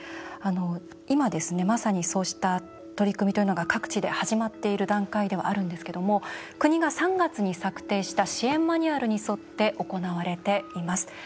今まさにそうした取り組みというのが各地で始まっている段階ではあるんですけども国が３月に策定した支援マニュアルに沿って行われています。